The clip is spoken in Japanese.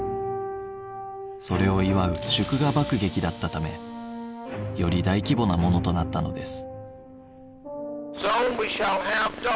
それを祝う祝賀爆撃だったためより大規模なものとなったのです